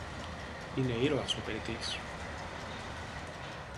Είναι ήρωας ο Περικλής!